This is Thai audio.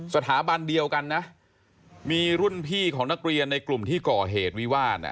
สถาบันเดียวกันนะมีรุ่นพี่ของนักเรียนในกลุ่มที่ก่อเหตุวิวาส